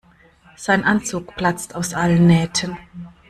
Sein Anzug platzt aus allen Nähten.